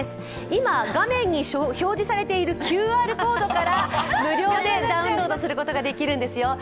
今、画面に表示されているＱＲコードから無料でダウンロードすることができるんですよ。